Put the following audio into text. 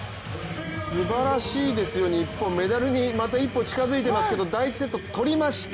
すばらしいですよ、日本メダルにまた一歩近づいていますけれども、第１セットとりました。